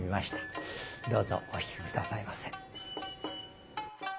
どうぞお聴き下さいませ。